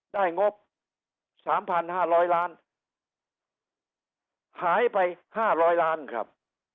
ได้งบสามพันห้าร้อยล้านหายไปห้าร้อยล้านครับ